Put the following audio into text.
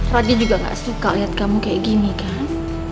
raja juga enggak suka lihat kamu kayak gini kan